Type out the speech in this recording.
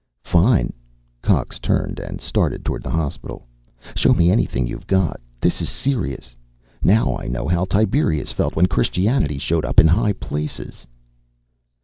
"Fine," Cox turned and started toward the hospital. "Show me anything you've got. This is serious. Now I know how Tiberius felt when Christianity showed up in high places."